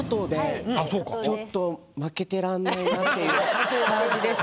ちょっと負けてらんないなっていう感じです。